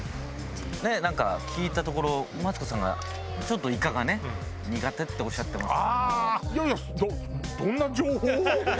ねえなんか聞いたところマツコさんがちょっとイカがね苦手っておっしゃってますけども。